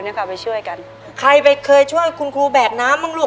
ในแคมเปญพิเศษเกมต่อชีวิตโรงเรียนของหนู